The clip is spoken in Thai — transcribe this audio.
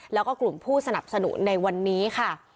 แล้วก็กลุ่มผู้สนับสนุนในวันนี้ค่ะ